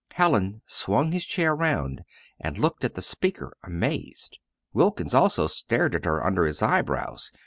Hallin swung his chair round and looked at the speaker amazed! Wilkins also stared at her under his eyebrows.